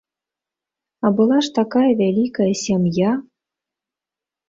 А была ж такая вялікая сям'я!